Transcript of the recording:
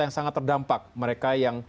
yang sangat terdampak mereka yang